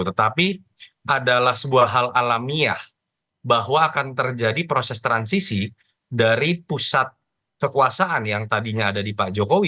tetapi adalah sebuah hal alamiah bahwa akan terjadi proses transisi dari pusat kekuasaan yang tadinya ada di pak jokowi